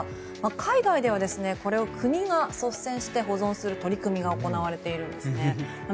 海外では、これを国が率先して保存する取り組みが行われているんですね。